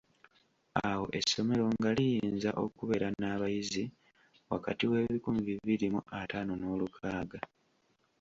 Awo essomero nga liyinza okubeera n’abayizi wakati w'ebikumi bibiri mu ataano n'olukaaga.